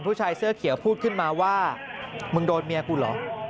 ผู้ชายเสื้อเขียวพูดขึ้นมาว่ามึงโดนเมียกูเหรอ